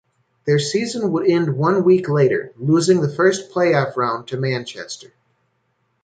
Their season would end one week later, losing the first playoff round to Manchester.